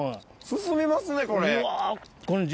進みますねこれ。